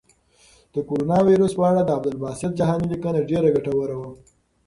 د کرونا وېروس په اړه د عبدالباسط جهاني لیکنه ډېره ګټوره وه.